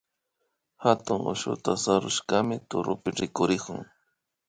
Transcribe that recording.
Hatun ushuta sarushkami turupi rikurikun